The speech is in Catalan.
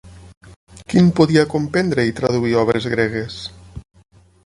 Quin podia comprendre i traduir obres gregues?